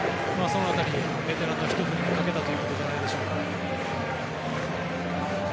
その辺り、ベテランのひと振りにかけたということじゃないですか。